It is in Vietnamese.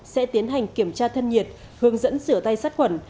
sẽ tiến hành kiểm tra thân nhiệt hướng dẫn sửa tay sát quẩn